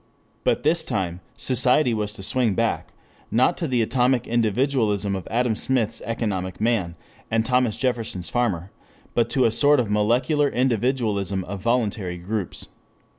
But this time society was to swing back not to the atomic individualism of Adam Smith's economic man and Thomas Jefferson's farmer, but to a sort of molecular individualism of voluntary groups.